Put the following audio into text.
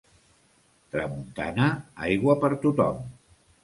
Tramuntana, aigua per tothom.